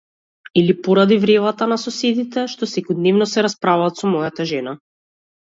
Или поради вревата на соседите што секојдневно се расправаат со мојата жена?